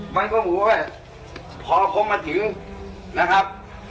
มันก็บอกว่าพบเขามาถึงนะครับ